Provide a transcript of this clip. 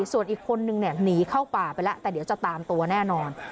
ส่วนอีกคนนึงหนีเข้าป่าไปแล้วแต่เดี๋ยวจะตามตัวแน่นอน